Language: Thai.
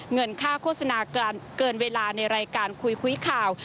เงินค่าโฆษณาเกินเวลาในรายการคุยคุยข่าว